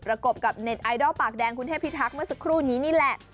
กบกับเน็ตไอดอลปากแดงคุณเทพิทักษ์เมื่อสักครู่นี้นี่แหละ